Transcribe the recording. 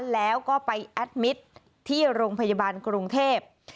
แล้วก็ไปแอดมิตรที่โรงพยาบาลกรุงเทพ